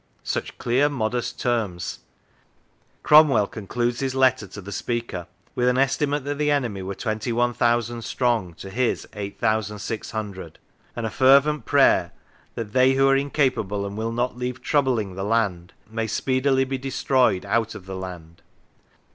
(Such clear modest terms !) Cromwell concludes his letter to the Speaker with an estimate that the enemy were 21,000 strong to his 8,600; and a fervent prayer that " they who are incapable and will not leave troubling the Land may speedily be destroyed out of the Land."